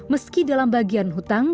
meski dalam bagian hutang